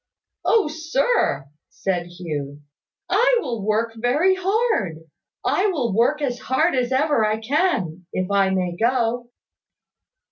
"Oh, sir," said Hugh, "I will work very hard, I will work as hard as ever I can, if I may go."